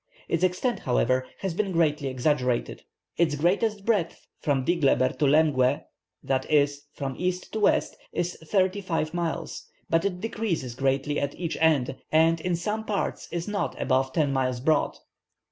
Its extent, however, has been greatly exaggerated. Its greatest breadth from Dingleber to Lamgue, i.e. from east to west, is thirty five miles, but it decreases greatly at each end, and in some parts is not above ten miles broad.